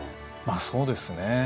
まあそうですね